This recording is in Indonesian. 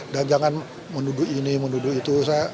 dan jangan menduduk ini menduduk itu